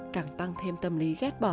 càng tăng thêm tâm lý ghét bỏ